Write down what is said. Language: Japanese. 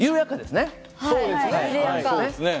そうですね。